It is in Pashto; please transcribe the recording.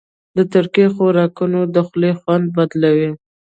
د ترکي خوراکونه د خولې خوند بدلوي.